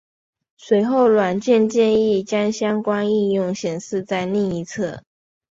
随后软件建议将相关应用显示在另一侧。